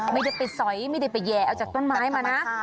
ไม่ได้ไปสอยไม่ได้ไปแย่เอาจากต้นไม้มานะ